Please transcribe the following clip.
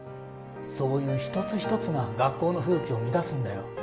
そういう一つ一つが学校の風紀を乱すんだよ